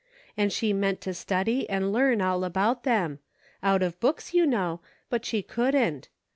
And she meant to study and learn all about them ; out of books, you know, but she couldn't.